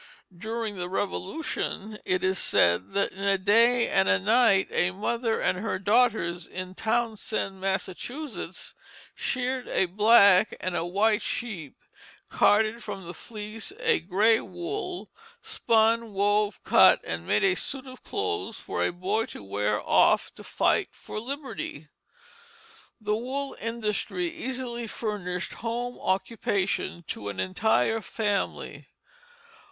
During the Revolution, it is said that in a day and a night a mother and her daughters in Townsend, Massachusetts, sheared a black and a white sheep, carded from the fleece a gray wool, spun, wove, cut and made a suit of clothes for a boy to wear off to fight for liberty. The wool industry easily furnished home occupation to an entire family.